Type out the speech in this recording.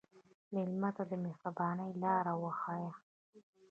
مېلمه ته د مهربانۍ لاره وښیه.